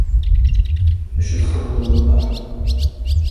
D acu i txedmeḍ mbeεd?